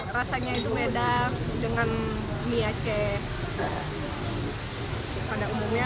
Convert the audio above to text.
rasanya itu beda dengan mie aceh pada umumnya